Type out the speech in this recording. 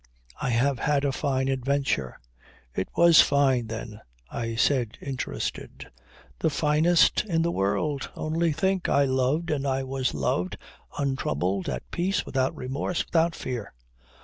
I have had a fine adventure." "It was fine, then," I said interested. "The finest in the world! Only think! I loved and I was loved, untroubled, at peace, without remorse, without fear.